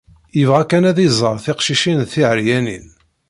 Yebɣa kan ad iẓer tiqcicin d tiɛeryanin.